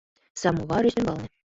— Самовар ӱстембалне.